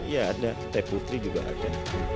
ya ada teputri juga ada